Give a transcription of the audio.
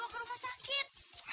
aduh ibu sakit